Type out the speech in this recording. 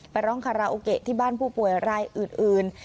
ร้องคาราโอเกะที่บ้านผู้ป่วยรายอื่น